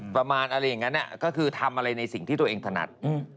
ประมาณอะไรอย่างนั้นก็คือทำอะไรในสิ่งที่ตัวเองถนัด